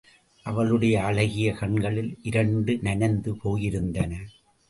அவளுடைய அழகிய கண்கள் இருண்டு நனைந்து போய் இருந்தன.